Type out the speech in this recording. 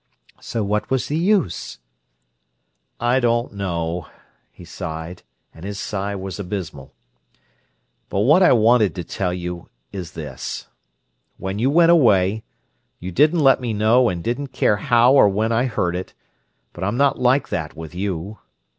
So what was the use?" "I don't know," he sighed, and his sigh was abysmal. "But what I wanted to tell you is this: when you went away, you didn't let me know and didn't care how or when I heard it, but I'm not like that with you.